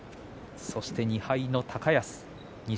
そして２敗の高安錦